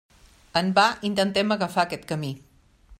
En va intentem agafar aquest camí.